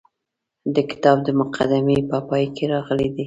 د کتاب د مقدمې په پای کې راغلي دي.